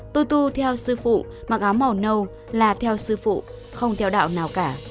tôi tu theo sư phụ mặc áo màu nâu là theo sư phụ không theo đạo nào cả